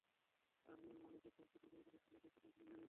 আর ইয়ামেনে যেসব পারসিক লোকেরা ছিল তারাও তার সাথে মুসলমান হয়ে গেল।